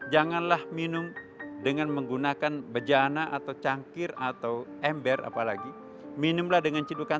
janganlah minum dengan menggunakan alat alat yang berbeda